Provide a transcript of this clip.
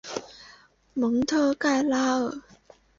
蒙特盖拉尔。